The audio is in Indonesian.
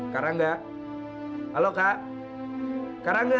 kak rangga halo kak kak rangga